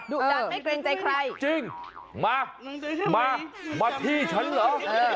ดันไม่เกรงใจใครจริงมามาที่ฉันเหรอ